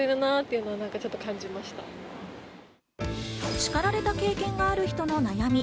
叱られた経験がある人の悩み。